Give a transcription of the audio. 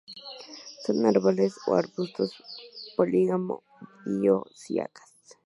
Son árboles o arbustos, Polígamo-dioicas.